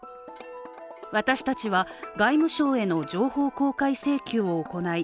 私たちは外務省への情報公開請求を行い